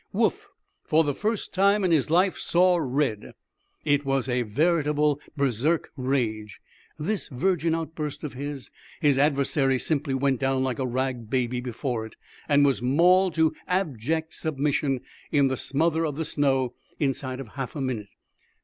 Woof, for the first time in his life, saw red. It was a veritable berserk rage, this virgin outburst of his. His adversary simply went down like a rag baby before it, and was mauled to abject submission, in the smother of the snow, inside of half a minute.